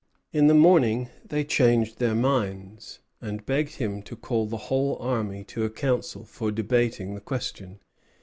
In the morning they changed their minds, and begged him to call the whole army to a council for debating the question.